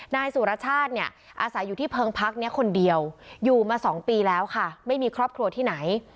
นายสุรชาติเนี่ยอาศัยอยู่ที่เพิงพักนี้คนเดียวอยู่มา๒ปีแล้วค่ะไม่มีครอบครัวที่ไหน